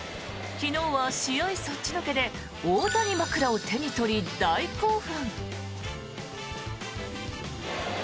昨日は試合そっちのけで大谷枕を手に取り大興奮。